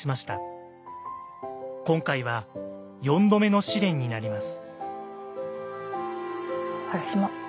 今回は４度目の試練になります。